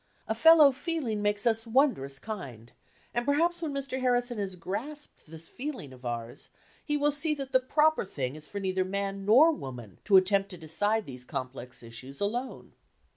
A fellow feeling makes us wondrous kind, and perhaps when Mr. Harrison has grasped this feeling of ours, he will see that the proper thing is for neither man nor woman to attempt to decide these complex issues alone.